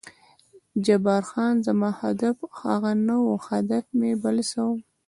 جبار خان: زما هدف هغه نه و، هدف مې بل څه و.